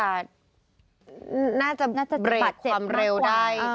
น่าจะปัดเจ็บมากกว่าน่าจะปัดความเร็วได้